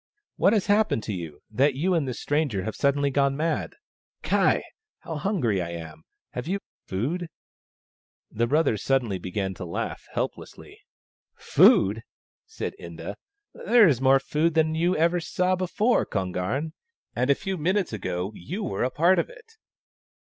" What has happened to you, that you and this 40 THE STONE AXE OF BURKAMUKK stranger have suddenly gone mad ? Ky ! how hungry I am ! Have you food ?" The brothers suddenly began to laugh help lessly. " Food !" said Inda. " There is more food than ever you saw before, Kon garn, and a few minutes ago you were part of it."